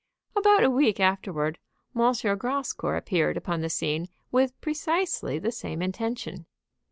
About a week afterward M. Grascour appeared upon the scene with precisely the same intention.